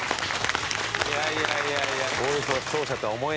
いやいやいやいや。